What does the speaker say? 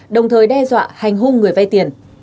đồng thời đe dọa hành hung người vay tiền